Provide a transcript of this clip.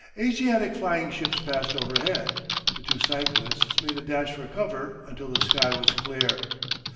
Asiatic flying ships passed overhead, the two cyclists made a dash for cover until the sky was clear.